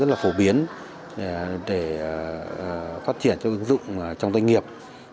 e sim sẽ phổ biến để phát triển cho ứng dụng trong doanh nghiệp